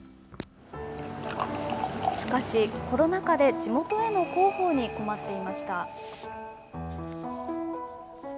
しかし、コロナ禍で地元への広報に困っていました。